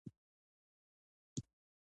هغه د نورو حیواناتو حقونه پیژندل.